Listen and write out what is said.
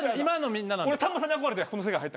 俺さんまさんに憧れてこの世界入ったから。